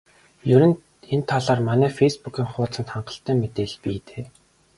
Ер нь энэ талаар манай фейсбүүк хуудсанд хангалттай мэдээлэл бий дээ.